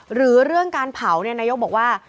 หรือเรื่องการเผานายกบอกว่า